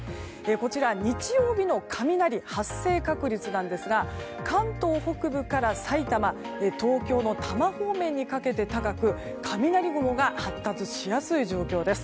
こちら、日曜日の雷発生確率なんですが関東北部から埼玉東京の多摩方面にかけて高く雷雲が発達しやすい状況です。